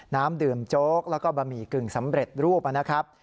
น้ำดื่มโจ๊กแล้วก็บะหมี่กึ่งสำเร็จรูปนะครับ